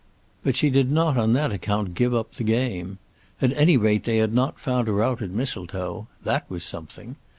But she did not on that account give up the game. At any rate they had not found her out at Mistletoe. That was something.